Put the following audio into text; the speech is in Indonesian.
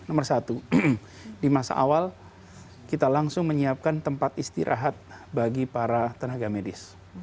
nomor satu di masa awal kita langsung menyiapkan tempat istirahat bagi para tenaga medis